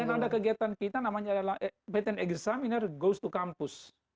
kemudian ada kegiatan kita namanya adalah patent examiner goes to campus